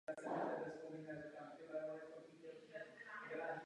Rád bych však uvedl tři následující body.